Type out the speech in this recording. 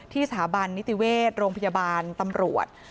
สถาบันนิติเวชโรงพยาบาลตำรวจ